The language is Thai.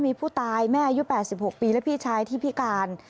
มีผู้ตายแม่อายุ๘๖ปีและพี่ชายที่พิการ